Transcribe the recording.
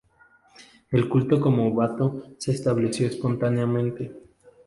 El culto como beato se estableció espontáneamente.